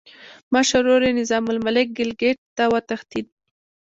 مشر ورور یې نظام الملک ګیلګیت ته وتښتېد.